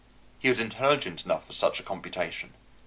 He was intelligent enough for such a computation.